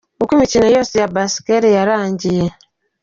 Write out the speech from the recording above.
Uko imikino yose ya basketball yarangiye.